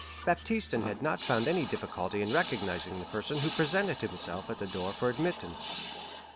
Baptistin had not found any difficulty in recognizing the person who presented himself at the door for admittance.